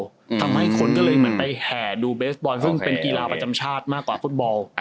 ทำให้คนก็เลยเหมือนไปแห่ดูเบสบอลซึ่งเป็นกีฬาประจำชาติมากกว่าฟุตบอล